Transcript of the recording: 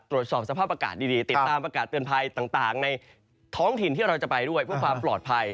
ตรวจสอบสภาพอากาศดีติดตามประกาศเตือนภัยต่างในท้องถิ่นที่เราจะไปด้วยเพื่อความปลอดภัย